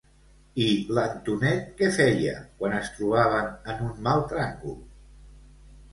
I l'Antonet què feia quan es trobaven en un mal tràngol?